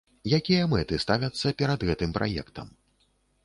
Якія мэты ставяцца перад гэтым праектам?